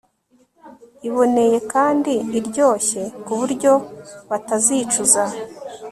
iboneye kandi iryoshye ku buryo batazicuza